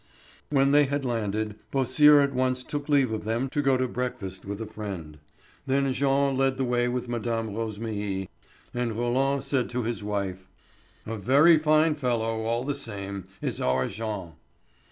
When they had landed, Beausire at once took leave of them to go to breakfast with a friend. Then Jean led the way with Mme. Rosémilly, and Roland said to his wife: "A very fine fellow, all the same, is our Jean."